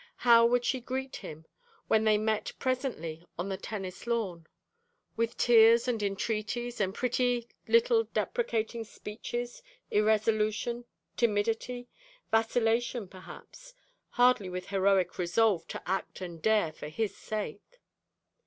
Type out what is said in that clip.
How would she greet him when they met presently on the tennis lawn? With tears and entreaties, and pretty little deprecating speeches, irresolution, timidity, vacillation, perhaps; hardly with heroic resolve to act and dare for his sake.